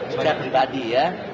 secara pribadi ya